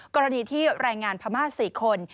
กรณีที่แรงงานพม่า๔คน